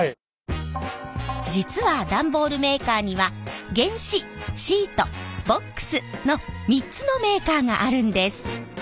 実は段ボールメーカーには原紙シートボックスの３つのメーカーがあるんです。